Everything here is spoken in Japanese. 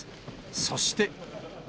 そして。